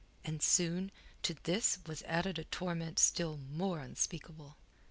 And, soon, to this was added a torment still more unspeakable.